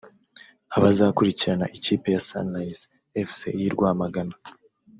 Abazakurikirana ikipe ya Sunrise Fc y’i Rwamagana